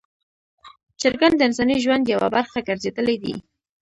چرګان د انساني ژوند یوه برخه ګرځېدلي دي.